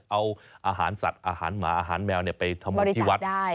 เอาอาหารสัตว์อาหารหมาอาหารแมวเนี่ยไปบริจาคได้